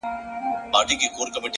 هوډ د نیمې لارې ستړیا ماتوي.!